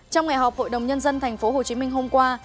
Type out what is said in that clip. trong ngày họp hội đồng nhân dân tp hcm hôm qua